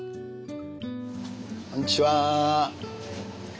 こんにちは。